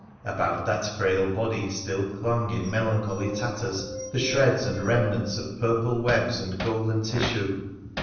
About that frail body still clung in melancholy tatters the shreds and remnants of purple webs and golden tissue.